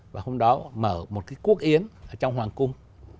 và hôm đó mở một cái quốc yến ở trong hoàng cung